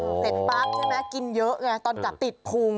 เห็นปั๊บใช่มั้ยกินเยอะแน่ตอนขับติดพุง